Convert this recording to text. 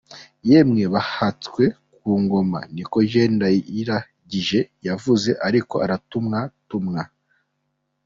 "Yemwe bahatswe kungonga", ni ko Jeanine Ndayiragije yavuze ariko aratumwatumwa.